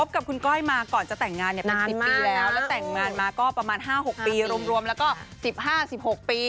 กับคุณก้อยมาก่อนจะแต่งงานเป็น๑๐ปีแล้วแล้วแต่งงานมาก็ประมาณ๕๖ปีรวมแล้วก็๑๕๑๖ปี